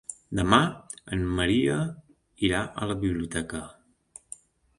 Demà en Maria irà a la biblioteca.